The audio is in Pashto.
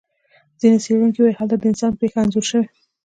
ځینې څېړونکي وایي هلته د انسان پېښه انځور شوې.